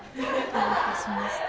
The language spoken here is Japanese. どういたしまして。